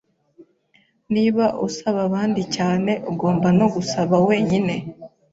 Niba usaba abandi cyane, ugomba no gusaba wenyine.